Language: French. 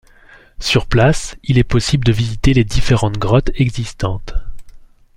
Sur place, il est possible de visiter les différentes grottes existantes.